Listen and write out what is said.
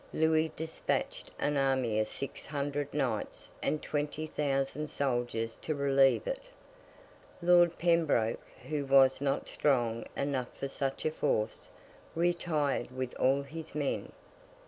Louis despatched an army of six hundred knights and twenty thousand soldiers to relieve it. Lord Pembroke, who was not strong enough for such a force, retired with all his men.